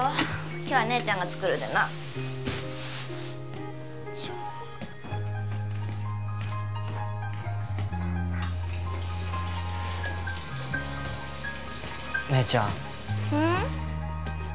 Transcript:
今日は姉ちゃんが作るでなさあさあさあさあ姉ちゃんうん？